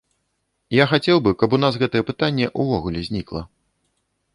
Я хацеў бы, каб у нас гэтае пытанне ўвогуле знікла.